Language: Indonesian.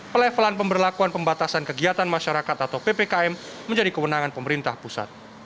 pelevelan pemberlakuan pembatasan kegiatan masyarakat atau ppkm menjadi kewenangan pemerintah pusat